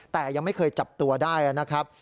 แต่ยังไม่เคยจับตัวได้นะครับ